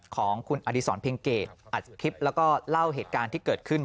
ของคุณอดีศรเพียงเกตอัดคลิปแล้วก็เล่าเหตุการณ์ที่เกิดขึ้น